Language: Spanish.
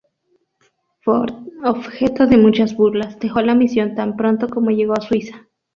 Ford, objeto de muchas burlas, dejó la misión tan pronto como llegó a Suiza.